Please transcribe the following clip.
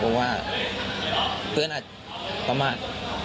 เพราะว่าเพื่อนอาจจะประมาท